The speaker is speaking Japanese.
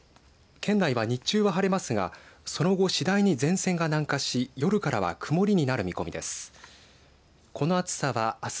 県内は、日中は晴れますがその後、次第に前線が南下し夜からは曇りになる見込みです。